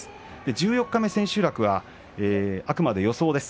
十四日目、千秋楽はあくまで予想です。